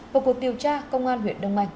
vào cuộc điều tra công an huyện đông anh